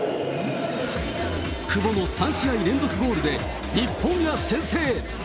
久保の３試合連続ゴールで、日本が先制。